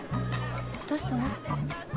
どうしたの？